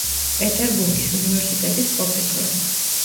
პეტერბურგის უნივერსიტეტის პროფესორი.